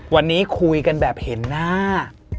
วันนี้คุยกันแบบเห็นหน้า